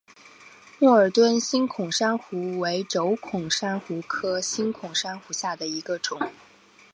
默尔敦星孔珊瑚为轴孔珊瑚科星孔珊瑚下的一个种。